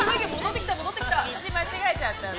道間違えちゃったの？